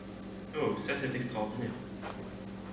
Oh ça c'est extraordinaire.